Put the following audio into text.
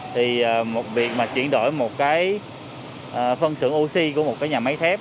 thì một việc mà chuyển đổi một cái phân xử oxy của một cái nhà máy thép